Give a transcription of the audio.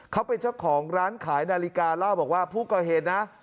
เขาเป็นเจ้าของร้านขายนาฬิกาเล่าบอกว่าผู้ก่อเหตุนะ